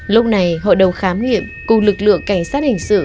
lúc này hội đồng khám nghiệm cùng lực lượng cảnh sát hình sự